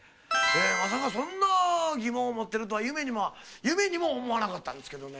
「まさかそんな疑問を持ってるとは夢にも思わなかったんですけどね」